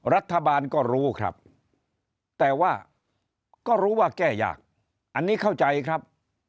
รัฐบาลก็รู้ครับแต่ว่าก็รู้ว่าแก้ยากอันนี้เข้าใจครับ